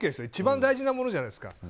一番大事なものじゃないですか。